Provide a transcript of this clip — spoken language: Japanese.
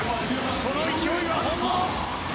この勢いは本物！